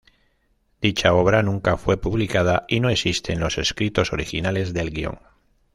Dicha obra nunca fue publicada y no existen los escritos originales del guion.